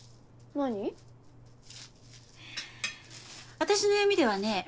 私の読みではね